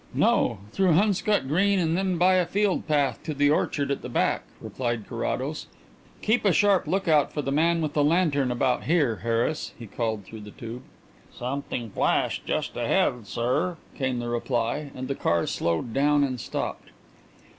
"No; through Hunscott Green and then by a field path to the orchard at the back," replied Carrados. "Keep a sharp look out for the man with the lantern about here, Harris," he called through the tube. "Something flashing just ahead, sir," came the reply, and the car slowed down and stopped.